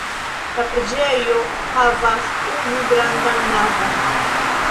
La preĝejo havas unu grandan navon.